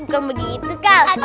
bukan begitu kak